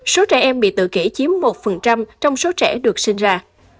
số trẻ em bị tự kỷ chiếm một trong số trẻ được sinh ra